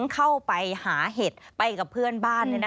เข้าไปหาเห็ดไปกับเพื่อนบ้าน